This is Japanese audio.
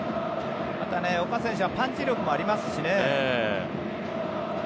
また岡選手はパンチ力もありますしね。